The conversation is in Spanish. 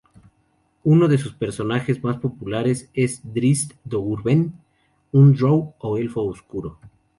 Uno de sus personajes más populares es Drizzt Do'Urden, un drow, o elfo oscuro.